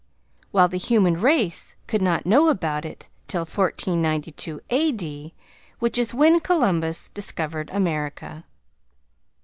while the human race could not know about it till 1492 A.D., which is when Columbus discovered America.